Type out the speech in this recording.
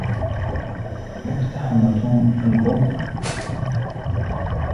اقتحم توم الغرفة.